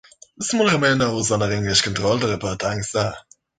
The small remainder was under English control to repair tanks there.